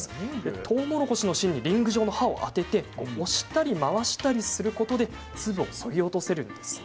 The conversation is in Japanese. とうもろこしの芯にリング状の刃を当てて、押したり回したりすることで粒を、そぎ落とせるんですね。